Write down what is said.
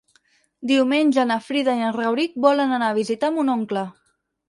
Diumenge na Frida i en Rauric volen anar a visitar mon oncle.